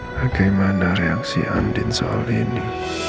bagaimana reaksi andin soal ini